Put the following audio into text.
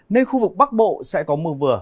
nên khu vực bắc bộ sẽ có mưa vừa